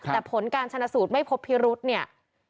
แต่ผลการชนะสูตรไม่พบพิรุษเนี่ย